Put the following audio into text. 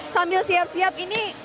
sambil siap siap ini